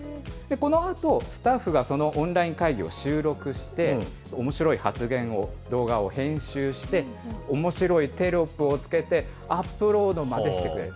このあと、スタッフがそのオンライン会議を収録して、おもしろい発言を、動画を編集して、おもしろいテロップをつけて、アップロードまでしてくれる。